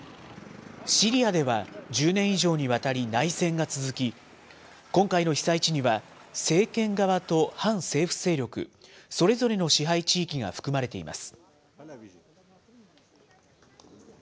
シリアでは、１０年以上にわたり内戦が続き、今回の被災地には政権側と反政府勢力、それぞれの支配地域が含まれています。